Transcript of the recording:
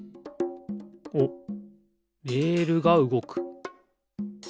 おっレールがうごく。